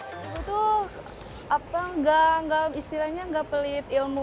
ibu itu apa gak istilahnya gak pelit ilmu